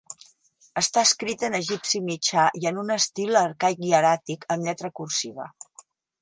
Està escrit en egipci mitjà i en un estil arcaic hieràtic, amb lletra cursiva.